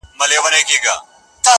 سپوږمۍ ترې وشرمېږي او الماس اړوي سترگي.